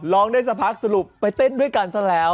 ร้องได้สักพักสรุปไปเต้นด้วยกันซะแล้ว